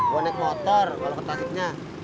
gue naik motor kalo ke tasiknya